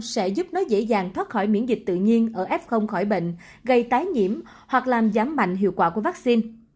sẽ giúp nó dễ dàng thoát khỏi miễn dịch tự nhiên ở f khỏi bệnh gây tái nhiễm hoặc làm giảm mạnh hiệu quả của vaccine